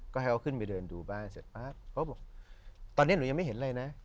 ก็ให้เขาขึ้นไปเดินดูบ้านเสร็จปั๊บเขาบอกตอนนี้หนูยังไม่เห็นอะไรนะ